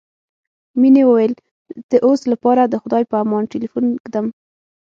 مينې وويل د اوس لپاره خدای په امان ټليفون ږدم.